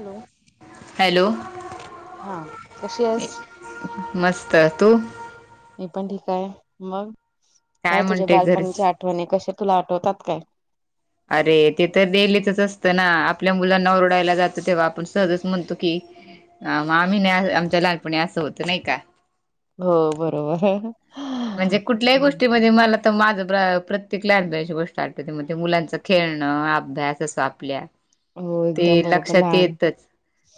Hello hello, हा कशी आहेस मस्त. तू? मी पण ठीक हाय. मग काय तुझ्या म्हणते घरी बालपणची आठवणी कशे तुला आठवतात काय? अरे ते तर डेलीचच असतं ना आपल्या मुलांना ओरडायला जातो तेव्हा आपण सहजच म्हणतो की अह मग आम्ही नाही आमच्या लहानपणी असं होत नाही का हो बरोबर. म्हणजे कुठल्याही गोष्टीमध्ये मला तर माझं ब्र प्रत्येक लहानपनाची गोष्ट आठवते. मग ते मुलांचा खेळणं, अभ्यास असो आपल्या हो ते एकदम बरोबर लक्षात लहान येतच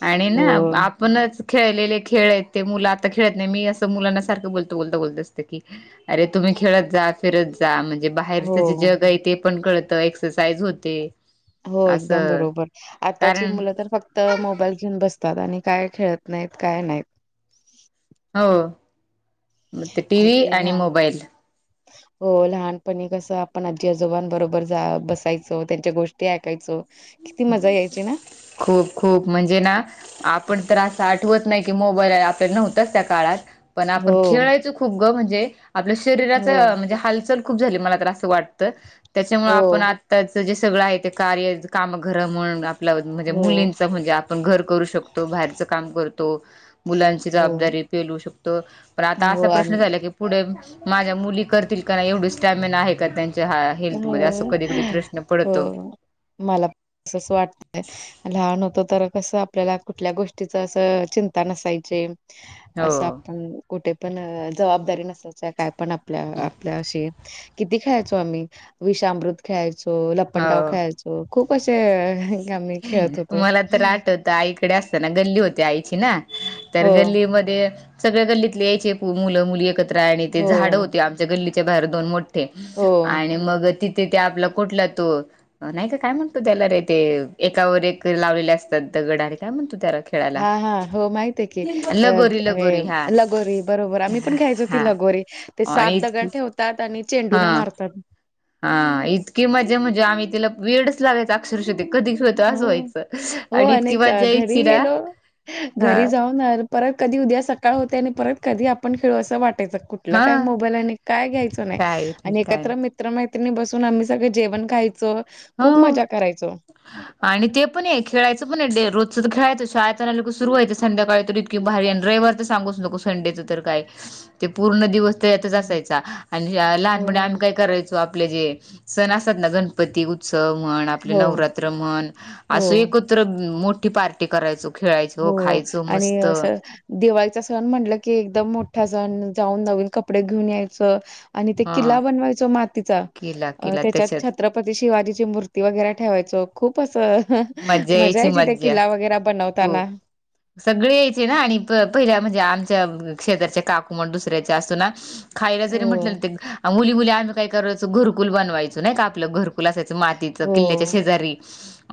आणि हो न अ-आप आपणच खेळलेले खेळ आहेत ते मुलं आता खेळत नाही मी असं मुलांना सारखं बोलता बोलता बोलतो असं की अरे तुम्ही खेळत जा. फिरत जा, म्हणजे हो बाहेरचं जे जग आहे ते पण कळत एक्ससाइज होते. हो एकदम असं बरोबर. आताची कारण मुलं तर फ क्त मोबाईल घेऊन बसतात आणि काय खेळत नाहीत काय नाहीत. हो. मग ते टी अ व्ही तेला आणि मोबाईल हो. लहानपणी कसं आपण आजी आजोबांबरोबर जा बसायचो त्यांच्या गोष्टी ऐकायचो. किती मजा यायची ना. खूप खूप म्हणजे ना आपण तर असं आठवत नाही की मोबाईल आहे आपल्या नव्हताच त्या काळात पण हो आपण खेळायचो खूप ग म्हणजे आपल्या शरीराचं हो अह म्हणजे हालचाल खूप झाली, मला तर असं वाटतं. त्याच्यामुळ हो आपण आताचं जे सगळं आहे ते कार्य काम घर म्हण आपल्या म्हणजे हो मुलींच म्हणजे आपण घर करू शकतो. बाहेरचं काम करतो. मुलांची हो जबाबदारी पेलू शकतो, पण आता हो असा प्रश्न आम झाला की पुढे माझ्या मुली करतील का नाही एवढी स्टॅमिना आहे का त्यांची ज्या ह्या हो हेल्थमध्ये असं कधी कधी प्रश्न पडतो. मलाच तस वाटतय. लहान होत तर कसं आपल्याला कुठल्या गोष्टीच असं चिंता नसायची. हो असं आपण कुठे पण जबाबदारी नसा काय पण आपल्या, आपल्या अशी किती खेळायचो आम्ही विषमृत - - खेळायचो. लपंडाव हो खेळायचो. खूप असे आम्ही खेळत होतो. मला तर आठवतं आईकडे असताना गल्ली होते आईची ना. तर हो गल्लीमध्ये - - सगळ्या गल्लीतले यायचे मुलं मुली एकत्र आणि ते हो झाडं होते आमच्या गल्लीच्या बाहेर दोन मो ठे हो आणि मग तिथे त्या आपला कुठला तो नाही का काय म्हणतो त्याला ते एकावर एक लावलेले असतात दगडा अरे काय म्हणतो तेला ते. ह, हं, हो. माहित हाय की. लगोरी अ हे लगोरी हा लगोरी बरोबर आम्ही पण खेळायचो कि हा लगोरी ते आणि सात इतकी दगड ठेव तात आणि हा चेंडून मारतात. हा इतकी मजा म्हणजे आम्ही तिला वेडच लागायच अक्षरश ते कधी खेळतो असं हो व्हायचं हो आणि इतकी क मज्जा घरी यायची ना. गेलो, घरी जाऊन आल- परत कधी उद्या सकाळ होते आणि परत कधी आपण खेळू असं वाटायचं. कु- - कुठल काय हा मोबाईल आणि काय घ्यायचं नाही काही आणि काय एकत्र नाही मि- - त्र मैत्रिणी बसून आम्ही सगळी जेवण खायचो. खूप हो मजा करायचो. आणि ते पणये खेळायचं पण ये. डे रोजचं तर खेळायचं शाळेतना लोक सुरुवायचं संध्याकाळी तरी - - कि भारी अन रविवारचं सांगुच नकोस संडेचं तर काय. [inaudible] ते पूर्ण दिवस तेज्यातचं हम्म. असायचा आणि लहानपणी आम्ही हो. काय करायचो. आपले जे सण असतात ना गणपती उ उत्सव म्हण, आपले हो, नवरात्र म्हण, असं हो, एकत्र मोठी पार करायचो खेळायचो, हो खायचो आणि मस्त. असं दिवाळीचा सण म्हटलं की एकदम मोठा सण जाऊन नवीन कपडे घेऊन यायचं. आणि ते हा किल्ला बनवायच मातीचा केला केला त्याच्यात छत्र पती शिवाजीची मूर्ती वगैरे ठेवायचो. खूप असं मजा यायची ते किल्ला वगैरे बनव हो. [inaudible] सगळे यायचे ना आणि प पहिल्या म्हणजे, आमच्या शेजारचे काकू म्हण दुसऱ्याचे असतो ना खायला जरी म्हटलं हो, ना ते मुली मुली आम्ही काय करायचो घरकुल बनवायचो नाही का आपलं घर कुला असायचं मातीच हो, किल्ल्याच्या शेजारी.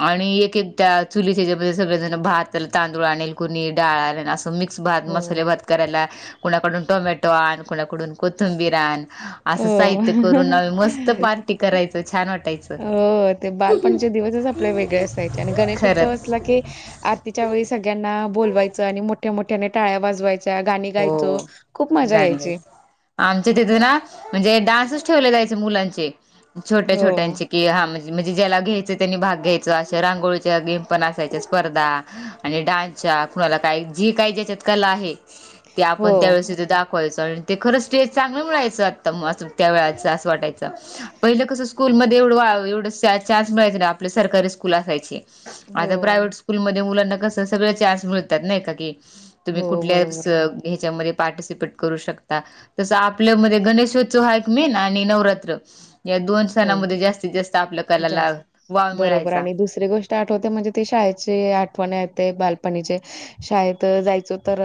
आणि एक एक त्या चुलीच्या जमध्ये सगळेजण भात तांदूळ आणल कुणी डाळ आलेल असं मिक्स स भात मसाले हो. भात करायला. कोणाकडून टोमॅटो आण, कोणाकडून कोथिंबीर आण, हो असं साहित्य करून आम्ही मस्त पार्टी करायचो छान वाटायचं हो ते बालपणाच्या दिवस आपले वेगळे असयचे आणि गणेशोत्सव अस खरंच लाकी आरतीच्या वेळी सगळ्यांना बोलवायच, आणि मोठ्या मोठ्या टाळ्या वाजवायच च्या गाणी हो गायचो खूप मजा गाणी यायची. गायच आमच्या तिथे ना म्हणजे, डान्सच ठेवले जायचे मुलांचे छोट्या हो, छोट्यांचे. कि हा म्हणजे म्हणजे ज्याला घ्यायचं त्यांनी भाग घ्यायच अशे रांगोळीच्या गेम पण असायच्या स्पर्धा. आणि डान्सच्या कुणाला काही जी काही ज्याच्यात कला आहे. ते हो, आपण त्या ववेळेस दाख ते खरं स्टेच चांगलं मिळायचं आता त्या वच असं वाटयचं पहिलं कसं स्कूल मधे एवढ एवढ चान्स मिळाय ना, आपल्या सरकारी स्कूल असायचे आता हो, प्रायवट स्ल म मुलाना कस सगळ चान्स मिळतात नाही का की तुम्ही हो, कुठल्या बरोबर. ह्याच्यामध्ये पार्टिसिपेट करू शकता. तस आपल्यामध्ये गणेशोत्सव आहे मेन आणि नवरात्र. या दोन हो, सणामध्ये जास्तीत जास्त आपल्या कलाला वाव मिळायचा. दुस री गोष्ट आठवते म्हणजे ते शाळेची आठवण येते बालपणीचे. शाळेत जायचो तर,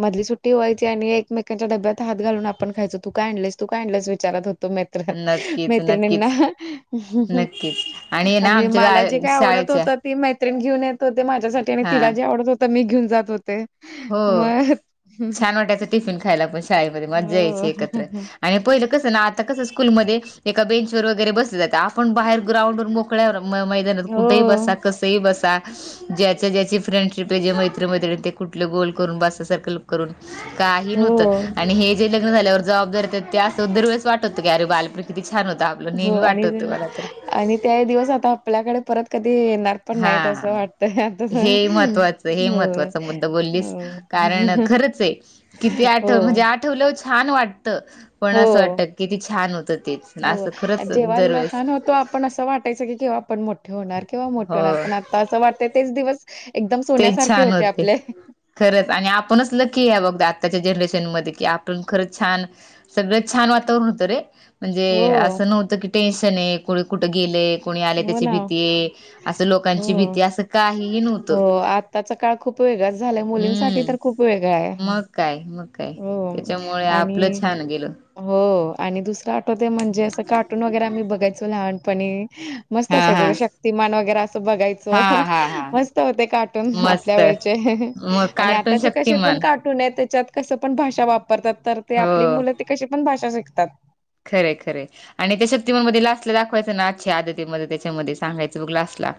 मधली सुट्टी व्हायची आणि एकमेकांच्या डब्यात हात घालून आपण खयच. तू का आणलेस तू काय, आणस विचारत होतो म नक्कीच न नाही हम्म हम. ना आणि आमच्या मला जे गा काय आवडत शाळेच्या होत ती मैत्रीरीण घेऊन येत होती. माझ्यासाठी आणि हा तिला जे आवत होत मी घेऊ जात होते. हो मग छान वाट्याच टिफिन खायला पण शाळेमध्ये मजायची हो एकत्र आणि पहिलं कस ना आता कस स्कूल मध्ये एका बेंच वगैरे बसले जात. आपण बाहेर ग्राउंड मो कळे मैदानात कुठेही हो बसा कसई बसा ज्याच्या ज्याची फ्रेंडशिप आहे मैरी मैत्रिणी ते कुठले गोल करून बसा सरखल काही नव्हत हो आणि हे जे लग् झाल्यावर जबाबदारीेत ते असं दर वेळेस वाटतं की अे बालपन किती छान होता. हो आणि आणि त्या दिवस आता आपल्याकडे परत कधी येणार पण हा नाहीत असं वाटतंय आता. हे महत्त्वाचं, हे होय, महत्वाचा मुद्दा बोललीस. कारण हो, खरंच आहे‌, किती आठव म्हणजे हो, आठवलं छान वाटत. पण असं हो. वाटत की ती छान होत तेच हो असं खरंच जेव्हा दरवेळेस. लहान होतो आपण असं वाटायचं की किंवा आपण मोठे होणार, किंवा मोठे हो होणार, पण आता असं वाटतं तेच दिवस एकदम तेच सोन्यासारखे छान होते आपले. खरंच आणि आपणच लकी या बघत आत्ताच्या जनरेशनमध्ये कि आपण खरंच छान. सगळं छान वातावरण होतं रे! म्हणजे हो, असं नव्हतं की टेन्शन आहे कोणी कुठं गेलंय. कोणी आले हो त्याची ना. भीती आहे, असं लोकांची भीती आहे, असं काहीही नव्हतं. त्याचा काळ खूप वेगळाच झालाय, मुलींसाठी हम्म तर खूप वेगळाये. त्यामुळे आपलं छान गेलं. हो आणि दुसरं आठवते म्हणजे, असं कार्टून वगैरे आम्ही बघायचो लहानपणी. मस्त हा असायचचां हा शक्तीमान वगैरे असं बघाय चो, हा हा हा हा. मस्त होते कार्टून आपल्या मस्त वेळचे, मग आणि कार्टून आताचे कसे पण शक्तिमान कार्ट पुण्यात त्याच्यात कसं पण भाषा वापरतात, तर ते आपली हो मुलं तें कशी पण भाषा शिकतात. खरय-खरय. आणि त्या शक्तीमाणमध्ये लास्टला दाखवायचं ना, अच्छी आदतीमध्ये त्याच्यामध्ये सांगायचं बघ लास्टला.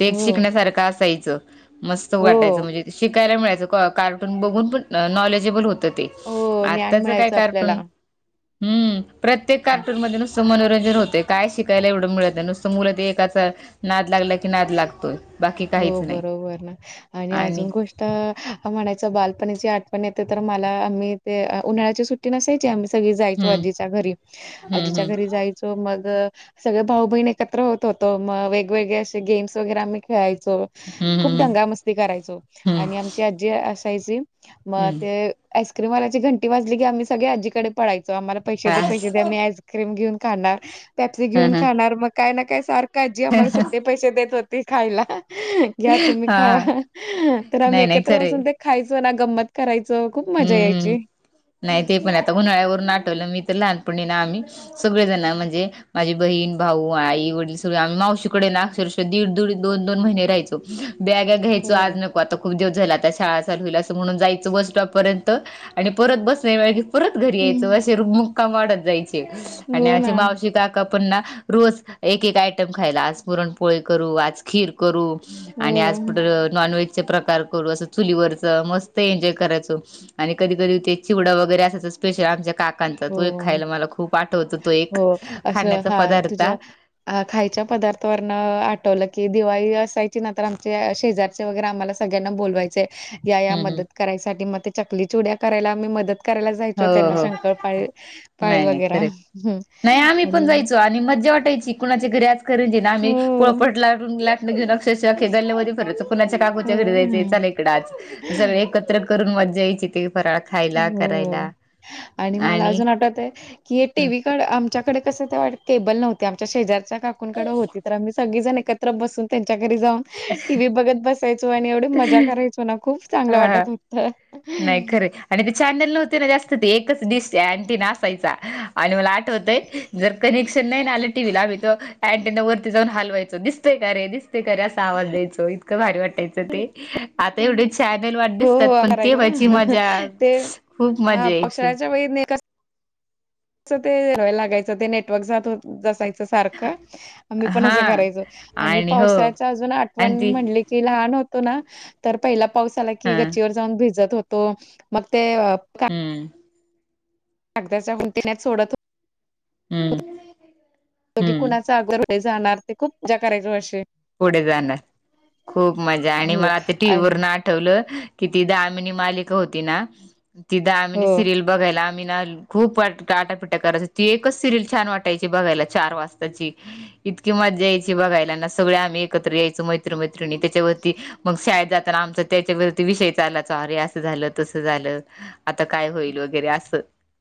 ते हो, शिकण्यासारखं असायचं, मस्त वाटायचं हो, म्हणजे शिकायला मिळायचं का कार्टून बघून पण नॉलेजेबल होत ते, हो ज्ञान आताच काय मिळायचं आपल्याला. कार्टून हम्म. प्रत्येक हं. कार्टून मध्ये नुसतं मनोरंजन होतें, काय शिकायला एवढं मिळत नुसतं मुलं ते एकाच नाद लागला की, नाद लागतोय. बाकी हो काहीच नाही बरोबर ना आणि अजून गोष्ट त म्हणायचं बालपणीची आठवण येते, तर मला मी ते उन्हाळ्याच्या सुट्टी टी नसायची, आम्ही सगळी जायचो हम्म आधीच्या घरी हम्म आधीच्या हम्म घरी जाय चो, मग सगळे भाऊ बहीण एकत्र होत होतो, मग वेगवेगळे असे गेम्स वगैरे आम्ही खेळाय चो, खूप हम्म हम्म दंगा मस्ती करायचो हम्म आणि आमची आज्जी असायची म हम्म ते आईस्क्रीमलाल्याची घंटी वाजली की, आम्ही सगळे आजी कडे पळायचो, आम्हला पैसे हा दे पैसे दे आईस्क् क्रीम घेऊन खणार, पॅप्सी हा घेऊन खणार, मग काय णा काय सारख आजी आमला सुटे पैशे देत होती खायला, घ्या तुम्ही हा हा खावा तर आम्ही नाही नाही एकत्र खरंय बसून ते खायचं ना, गंमत करायचं, खूप मजा हम्म यायची. नाही ते पण आता उन्हाळ्यावरून आठवलं, मी तर लहानपणीं आम्ही. सगळे जण म्हणजे, माझी बहीण, भाऊ, आई, वडली सगळे आम्ही मावशीकडे ना अक्षर दीड-दिड, दोन-दोन महिने राहायच. बॅगा घ्यायचो हो आज नको आता, खूप दिवस झाले, आता शाळा चालू होईल अस म्हणून जायचं, बस स्टॉप पर्यंत आणि परत बसण नाई मिळालिक परत घरी यायचो, हं. अशे मुक्काम वाढत जायच. हो आणि ना मावशी त आका पण रोज एक-एक आटम खायला, आज पुरण पोळी करू, आज खीर करू आणि आज हो कुटं नॉन व्हेज च प्रकार करू, असं चुलीवरच मस्त एंन्जोय करायचो. आणि कधी-कधी ते चिवडं वगैरे असाचं स्पेशल आमच्या काक चा, तो एक हो, खायला मला खूप आठवतो, तो एक खाण्याचा पदार्थ हा खायच्या पदार्थावरन आठवलं, कि दिवाळी असायची ना तर आमच्या शेजारची आ्हाला सगल्याना बोलवायचे, या-या हम्म हम्म मदत करायसाठी मग ते चकली चीवड्या करायला आमी मदत करायला जायचो त्यांना सांग नाय-नाय, खर नाय आम्ही आणि पण जायचो आणि मज्जा वाटायची कुणाच्या घरी आज करंजी आम्ही हो, पोळपट लाटून लाटण घेन, अक्षरशः आख्या गली मध्ये फीरायचो. कुणाच्या काकूच्या घरी जायचं हो. चाल इकडच आज, सगळे एकत्र करून मजा यायची ते फराळ खायला क हो आणि मला अजून आठवतय, की हे टी वी आमच्याकड कसं ते वाट केबल नव्हती, आमच्या शेजारच्या काकूनकडे होती, तर आम्ही सगळीजण एकत त्र बसून त्यांच्या घरी जाऊन टी व्ही बघत बसायचो, आणि एवढी मजा करायचो ना खूप चांगलं वाटत हुत. नाई खरय आणि ते चॅनल नव्हते ना जास्त, ते एकच डिश अँटीना आसायचा आणि मला आठवतय जर कनेक्शन नाही ना आल टीव्हीळा आमही तर अँटीना वरती जाऊन हलवायचो, दिसतेय का रे दिसतेय का रे असा आवाज द्यायचो इतकं भारी वाटत टायच ते, आता एवढे चॅनल वाट दिसतात पण हं तेव्हाची मजा हं तें खूप मजा पक्ष यायची वे [unintelligible] च ते लागायचं, ते नेटवर्क जात असायचं सारखं. आम्ही पण हा असं करायचो. आणि पावसाळ्याच अजून आणि आठवण ती म्हणले क कि लहान होतो ना. तर पहिला पाऊस आला हा की गचीवर जाऊन भीजत होतो. मग ते अ का हम्म. गदाच्या होड्या सोडत हो हम्म. बाकी हम्म कुणाचा अगोर पुढे जाणार. ते खूप पूजा करायचो अशी. पुढे जाणार. खूप मजा. आणि हो मला आता टीव्ही आणि वरन अट ठवलं. की ति दामिनी मालिक होती ना. ति हो, दामिनी सिरियल बघायला आम्ही ना खूप आटापिटा करायचा. ती एकच सिरियल छान वाटायची बघायला. चार वाजताची. इतकी मजा याची बघायलाना. सगळे आम्ही एकत्र यायचो. मै्र मैत्रिणी. त्याच्यावरती मग शाळेत जाताना आमच त्याच्यावरती विषय चालाचा. अरे असं झालं. तस झालं. आता काय होईल? वगैरे असं.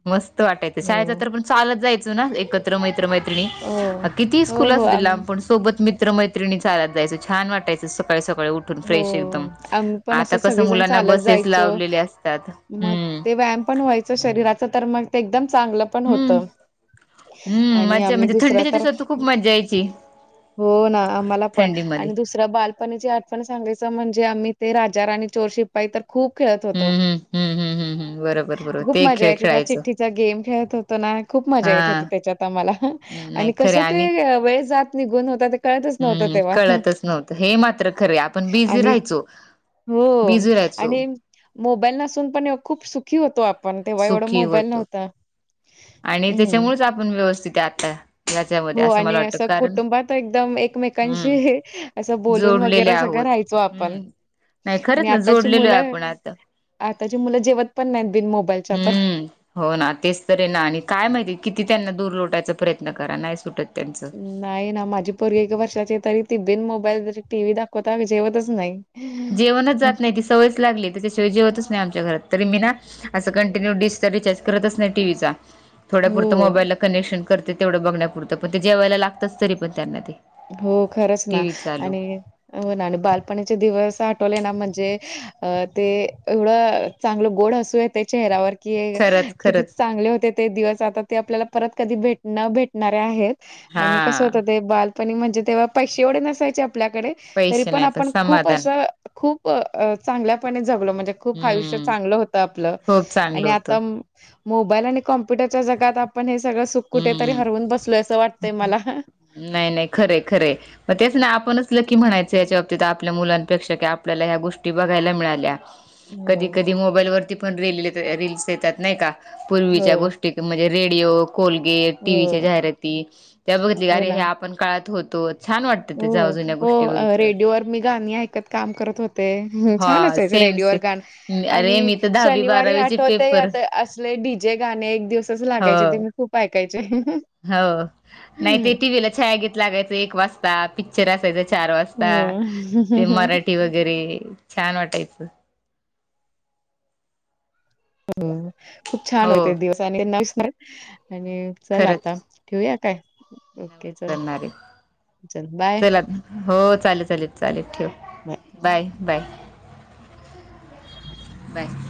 मस्त वाटायचं. शाळेेत हो, जातोर पण चालत जायचो ना एकत त्र. मित्र मैत्रीणी हो, किती हो, स्कुल हो असुदे आम लांब. पण सोबत मीत् त्रमैत्रणी चालात जायचं. छान वाटायचं सकाळीसकाळी उठ ठुन हो फ्रेश एकदम. आम्ही पण आता असं कस सगळेजण मुलांना चालत बसेस जायचो. लावलेले असतात. हम्म. शरीराच तर मग, ते एकदम चांगलं पण होत. हम् मज्जा. म्हणजे थंडीच्या दिवसात त खूप मजा यायची. हो ना. आम्हाला पण थंडीमध्ये आणि दुस र बालपणीची आठवण सांगायचं. म्हणजे आम्ही ते राजा रााणी चोर शिपपाय तर खूप खेळत होतो. हम्म हम्म, हम्म, हम्म. हम्म हम्म. बरोबर. बरोबर खूप ते मजा खेळ यायची. त्या खेळायचो चिठ्ठीचा गेम खेळत होतो ना. खूप मजा हा येत होती त्याच्यात आम्हाला. आणि नाही खरे कसं ते वेळ जात निघून होता. ते कळतच नव्हतं हम्म तेव्हा. कळतच नव्हतं हे मात्र खरय. आपण बिझी आणि राहायचो. हो बिझी राहायचो. आणि मोबाईल नसून पण, खूप सुखी होतो आपण. तेव्हा एवढं सुखी मोबाईल होतो नव्हता. आणि हम्म. त्याच्यामुळेच आपण व्यवस्थिते आता. याच्यामध्ये हो मला आणि वाटतं असं कारण कुटुंबात, एकदम हम्म एकमेकांशी असं बोलून जोडलेले वगैरे सगळं आहोत राहाय चो हम्म आपण. नाही आणि खरंच ना आताची जोडलेलो आहे मुलं आपण आता आताची मुलं जेवत पण नाहीत. बिन मोबाईलच्या तर. हम्म हो ना. तेच तरे ना. आणि काय माहिती किती त्यांना दूर लोटायचा प्रयत्न करा. नाही सुटत त्यांचं. नाही ना. माझी पोरगी एका वर्षाचीय तरी ती, बिन मोबाईल ज टीव्ही दाखवता जेवतच नाही. जेवणच जात नाही. ती सवयच लागलीय. त्याच्याशिवाय जेवतच नाही आमच्या घरात. तरी मी ना, असं कंटिन्यू डिजिटल रिचार्ज करतच नाही. टीव्ही चा. थोड्या पुुरतं हो, मोबाईलला कनेक्शन करते. तेवढं बघण्यापुरंत. पण ते जेवायला लागतच तरी पण त्यांना ते. हो, खरंच टी ना. व्ही चालू आणि हो ना. आणि बालपणाचे दिवस आठवले ना. म्हणजे अ ते एवढं चांगलं, गोड हसूयेत्या चेहऱ्यावर. कि खरंच किती खरंच चांगले होते ते दिवस. आता ते आपल्याला परत कधी भेट न भेटणारे आहेत. हा आणि कसं होत. ते बालपणी म्हणजे तेव्हा पैसे एवढे नसायचे आपल्याकडे. तरी पैसे पण, नाही आपण खूप समाधान असं खूप चांगल्यापणे जगलो. म्हणजे खूप आयुष्य हम्म चांगलं होतं आपलं. खूप चांगलं आणि होतं. आता मोबाईल आणि कॉम्प्युटरच्या जगात. आपण हे सगळं सुख कुठेतरी हम्म हरवून बसलोय. असं वाटतंय मला. नाही, नाही. खरय, खरय. मग तेच ना. आपणच लकी म्हणायचं याच्या बाबतीत. आपल्या मुलांपेक्षा. की आपल्याला ह्या गोष्टी बघायला मिळाल्या. कधी हो. कधी मोबाईल वरती पण, रल रीलस येतात नाही का. हो पूर्वीच्या गोष्टी. रेडिओ, कोलगेट, टीव्ही च्या हो जाहिराती. त्या बघितल्या की, हो अरे हे ना आप आपण काळात होतो छान वाटत हो हो रेडिओवर मी गाणी ऐकत काम करत होते छान हा असायचे सेम रेडिओवरर गाण सेम अरे आणि मी तर दहावी शनिवारी बारावीचे आठवते पेपर आता असले डी जे गाणे एक दिवसच लागायचे ते हो मी खूप पाऐकायचंय हो नाही ते टीव्हीला छाया घीेत लागायचं एक वाजता पिक्चर असायच चार हम्म वाजता ते हो. मराठी वगैरे छान वाटायचं. हो खूप छान हो होते दिवस आणिना विसणार आणि च लागता. ठेऊया काय? ओके चल णार चल बाय. चला हो चालेल चालेल चालेल ठेव. Bye bye bye.